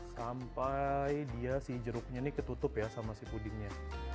sampai dia si jeruknya ini ketutup ya sama si pudingnya